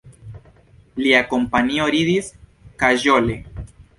Lia kompanio ridis kaĵole.